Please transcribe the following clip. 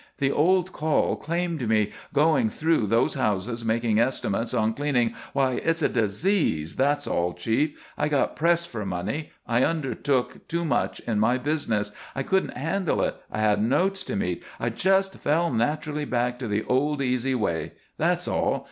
The old call claimed me, going through those houses making estimates on cleaning; why, it's a disease, that's all, Chief! I got pressed for money. I undertook too much in my business. I couldn't handle it. I had notes to meet. I just fell naturally back to the old easy way. That's all.